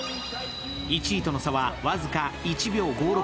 １位との差は僅か１秒５６。